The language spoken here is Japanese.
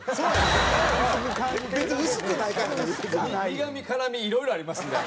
苦み辛みいろいろありますんで。